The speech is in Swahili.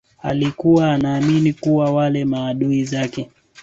alikuwa anaamini kuwa wale maadui zake